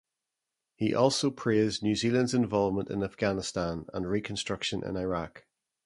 He also praised New Zealand's involvement in Afghanistan and reconstruction in Iraq.